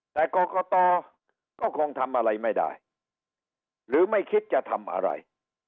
แต่กรกตก็คงทำอะไรไม่ได้หรือไม่คิดจะทำอะไร